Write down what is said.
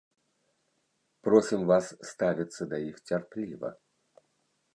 Просім вас ставіцца да іх цярпліва.